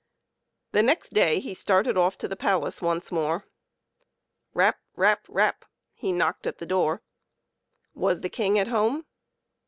The next day he started off to the palace once more. Rap ! rap ! rap ! he knocked at the door. Was the King at home